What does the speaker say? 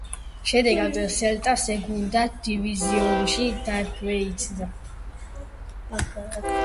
შედეგად „სელტა“ სეგუნდა დივიზიონში დაქვეითდა.